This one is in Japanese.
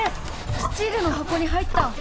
スチールの箱に入った！